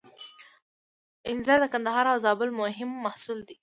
انځر د کندهار او زابل مهم محصول دی